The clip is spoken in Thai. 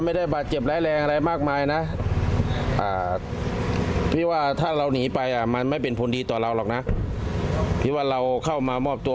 อ่าลองฟังเสียงหน่อยค่ะ